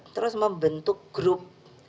terus membentuk grup